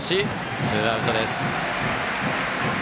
ツーアウトです。